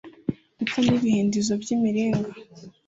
Ndetse n`ibihindizo by`imiringa